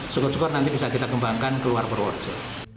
syukur syukur nanti bisa kita kembangkan keluar purworejo